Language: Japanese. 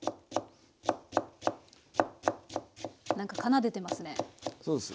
なんか奏でてますね。